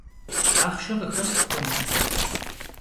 Axhşşe khıxesx xhunu?